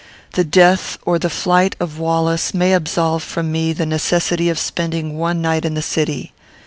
The death or the flight of Wallace may absolve me from the necessity of spending one night in the city.